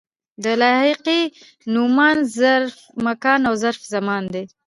د لاحقې نومان ظرف مکان او ظرف زمان دي.